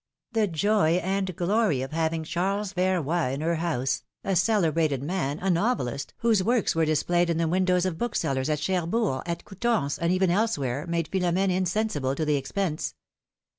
The joy and glory of having Charles Verroy in her house, a celebrated man, a novelist, whose works were displayed in the windows of booksellers at Cherbourg, at Coutances, and even elsewhere, made Philomene insensible to the expense.